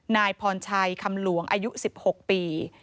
นายพรชัยคำหลวงอายุ๑๖ปี